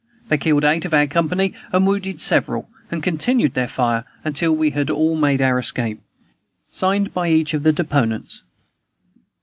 They killed eight of our company, and wounded several, and continued their fire until we had all made our escape. "Signed by each of the deponents."